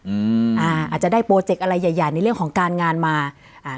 อืมอ่าอาจจะได้โปรเจกต์อะไรใหญ่ใหญ่ในเรื่องของการงานมาอ่า